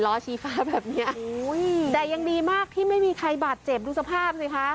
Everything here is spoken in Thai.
ชี้ฟ้าแบบเนี้ยแต่ยังดีมากที่ไม่มีใครบาดเจ็บดูสภาพสิคะ